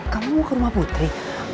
kamu mau ke rumah putri